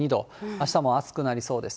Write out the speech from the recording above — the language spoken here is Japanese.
あしたも暑くなりそうです。